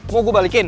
mau gue balikin